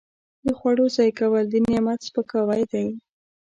د خوړو ضایع کول د نعمت سپکاوی دی.